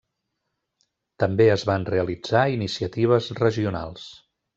També es van realitzar iniciatives regionals.